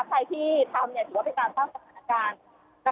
ใครที่ทำถือว่าเป็นการสร้างประการนะคะ